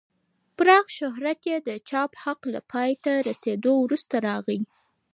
پراخ شهرت یې د چاپ حق له پای ته رسېدو وروسته راغی.